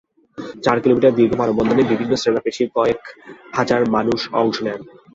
চার কিলোমিটার দীর্ঘ মানববন্ধনে বিভিন্ন শ্রেণীপেশার কয়েক হাজার মানুষ অংশ নেন।